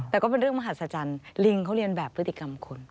แต่ก็เป็นเรื่องมหัศจรรย์ลิงเขาเรียนแบบพฤติกรรมคน